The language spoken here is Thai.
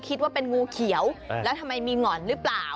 คิดว่าเป็นงูเขียวแล้วทำไมมีหง่อนหรือเปล่า